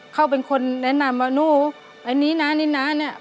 เขาเป็นคนแนะนำว่าหนูอันนี้นะนี่นะเนี่ย